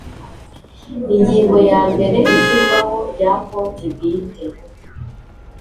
Ingingo ya mbere Ishyirwaho rya konti bwite